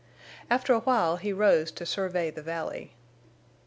After a while he rose to survey the valley.